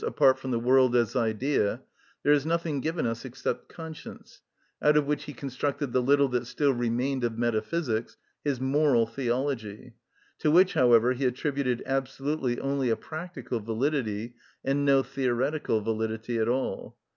_, apart from the world as idea, there is nothing given us except conscience, out of which he constructed the little that still remained of metaphysics, his moral theology, to which, however, he attributed absolutely only a practical validity, and no theoretical validity at all.